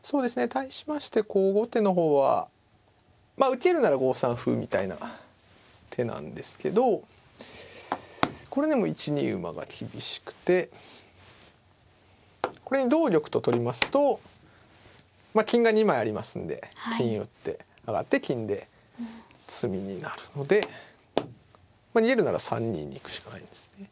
対しまして後手の方はまあ受けるなら５三歩みたいな手なんですけどこれでも１二馬が厳しくてこれに同玉と取りますと金が２枚ありますんで金打って上がって金で詰みになるので逃げるなら３二に行くしかないんですね。